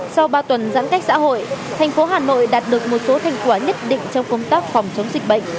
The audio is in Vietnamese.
sau ba tuần giãn cách xã hội thành phố hà nội đạt được một số thành quả nhất định trong công tác phòng chống dịch bệnh